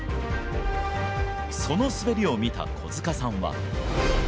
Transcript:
その滑りを見た小塚さんは。